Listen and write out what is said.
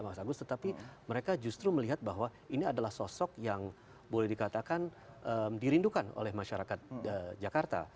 mas agus tetapi mereka justru melihat bahwa ini adalah sosok yang boleh dikatakan dirindukan oleh masyarakat jakarta